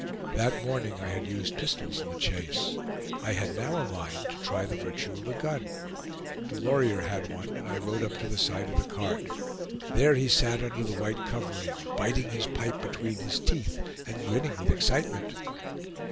That morning I had used pistols in the chase. I had now a mind to try the virtue of a gun. Delorier had one, and I rode up to the side of the cart; there he sat under the white covering, biting his pipe between his teeth and grinning with excitement.